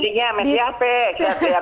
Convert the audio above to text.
enggak diskusinya sama siapa ya